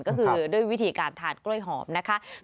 ก็คือด้วยวิธีการทานกล้วยหอมนะคะ